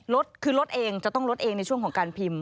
ลดคือลดเองจะต้องลดเองในช่วงของการพิมพ์